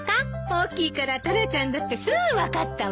大きいからタラちゃんだってすぐ分かったわ。